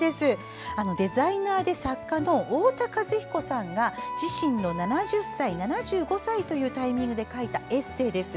デザイナーで作家の太田和彦さんが自身の７０歳、７５歳というタイミングで書いたエッセーです。